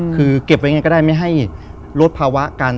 คือเก็บไปยังไงก็ได้ไม่ให้ลดภาวะ